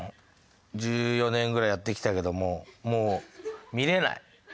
１４年ぐらいやってきたけどもうもう見れない。